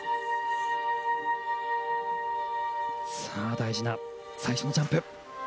さあ大事な最初のジャンプ。